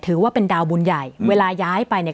ถือว่าเป็นดาวบุญใหญ่เวลาย้ายไปเนี่ย